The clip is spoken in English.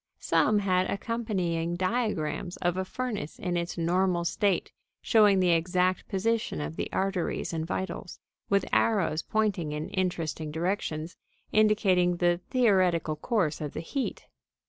Some had accompanying diagrams of a furnace in its normal state, showing the exact position of the arteries and vitals, with arrows pointing in interesting directions, indicating the theoretical course of the heat.